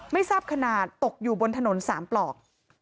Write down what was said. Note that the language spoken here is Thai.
ไม่ทราบขนาดตกอยู่บนถนน๓ปลอก